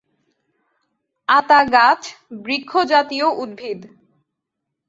আতা গাছ বৃক্ষ জাতীয় উদ্ভিদ।